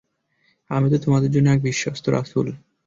আমি তো তোমাদের জন্য এক বিশ্বস্ত রাসূল!